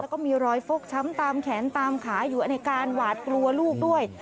แล้วก็มีรอยฟกช้ำตามแขนตามขาอยู่ในการหวาดกลัวลูกด้วย